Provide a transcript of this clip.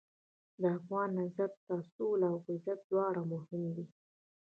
د افغان نظر ته سوله او عزت دواړه مهم دي.